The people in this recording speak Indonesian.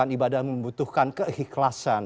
ibadah membutuhkan kehiklasan